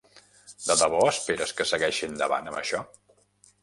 De debò esperes que segueixi endavant amb això?